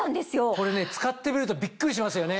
これ使ってみるとびっくりしますよね。